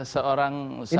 seorang sahabat yang